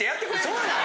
そうなの？